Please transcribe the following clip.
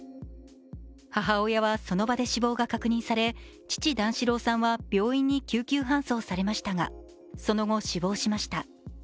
母親はその場で死亡が確認され父、段四郎さんは病院に救急搬送されましたがその後、死亡しました。